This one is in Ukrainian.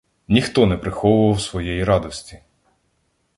Ніхто не приховував своєї радості.